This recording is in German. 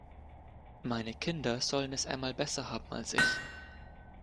Meine Kinder sollen es einmal besser haben als ich.